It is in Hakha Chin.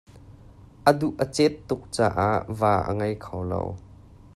A duh a ceet tuk caah va a ngei kho lo.